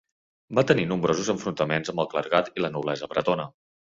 Va tenir nombrosos enfrontaments amb el clergat i la noblesa bretona.